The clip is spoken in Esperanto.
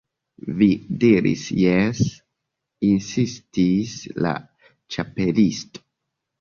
"Vi diris 'jes'" insistis la Ĉapelisto.